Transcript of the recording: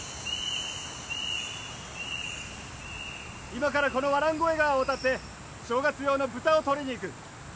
今からこのワランゴエ河を渡って正月用の豚を取りに行く。